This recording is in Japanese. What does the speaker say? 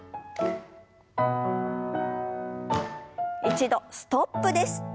一度ストップです。